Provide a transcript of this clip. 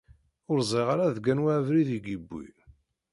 Ur zṛiɣ ara deg anwa abrid i yewwi.